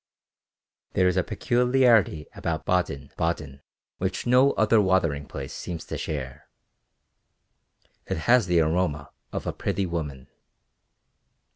There is a peculiarity about Baden Baden which no other watering place seems to share it has the aroma of a pretty woman.